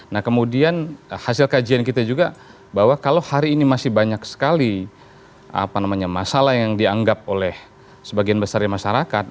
nah kemudian hasil kajian kita juga bahwa kalau hari ini masih banyak sekali masalah yang dianggap oleh sebagian besar masyarakat